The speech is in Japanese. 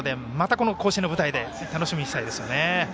この甲子園の舞台で楽しみにしたいですね。